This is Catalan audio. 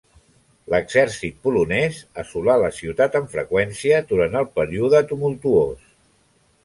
L'exèrcit polonès assolà la ciutat amb freqüència durant el Període Tumultuós.